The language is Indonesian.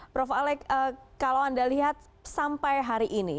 prof alex kalau anda lihat sampai hari ini